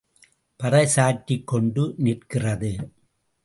பறை சாற்றிக் கொண்டு நிற்கிறது.